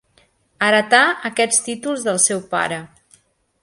Heretà aquests títols del seu pare.